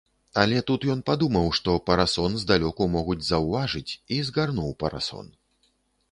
Але тут ён падумаў, што парасон здалёку могуць заўважыць і згарнуў парасон.